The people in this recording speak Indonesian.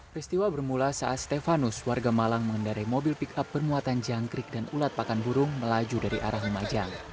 peristiwa bermula saat stefanus warga malang mengendarai mobil pick up bermuatan jangkrik dan ulat pakan burung melaju dari arah lumajang